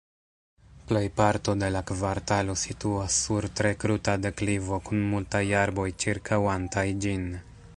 Plejparto de la kvartalo situas sur tre kruta deklivo kun multaj arboj ĉirkaŭantaj ĝin.